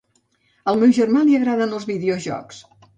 Al meu germà li agraden els videojocs